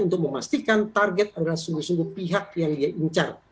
untuk memastikan target adalah sungguh sungguh pihak yang dia incar